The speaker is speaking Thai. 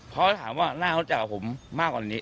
เพราะถามว่าน่ารู้จักกับผมมากกว่านี้